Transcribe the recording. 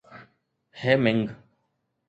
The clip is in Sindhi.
هيمنگ